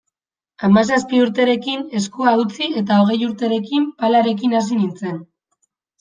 Hamazazpi urterekin eskua utzi eta hogei urterekin palarekin hasi nintzen.